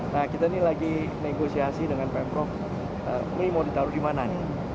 nah kita ini lagi negosiasi dengan pm prof ini mau ditaruh dimana nih